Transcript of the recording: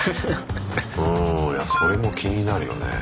うんそれも気になるよね。